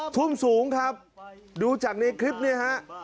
ทุ่มสูงครับดูจากในคลิปเนี่ยฮะ